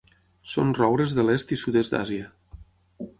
Són roures de l'est i sud-est d'Àsia.